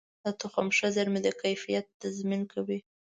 د تخم ښه زېرمه د کیفیت تضمین کوي.